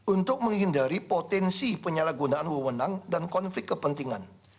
untuk menghindari potensi penyalahgunaan wewenang dan konflik kepentingan